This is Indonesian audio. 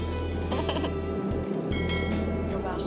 gak bakal lah